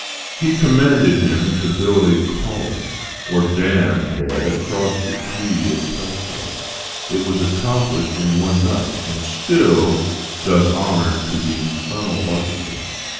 He commanded him to build a 'cauld,' or dam head across the Tweed at Kelso ; it was accomplished in one night, and still does honor to the infernal architect.